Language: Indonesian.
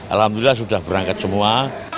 alhamdulillah sudah berangkat semua